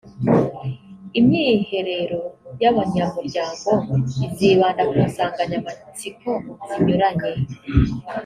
imyiherero y’abanyamuryango izibanda ku nsanganyamatsiko zinyuranye